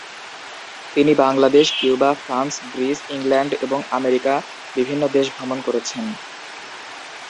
তিনি Bangladesh, Cuba, France, Greece, England এবং America বিভিন্ন দেশ ভ্রমণ করেছেন।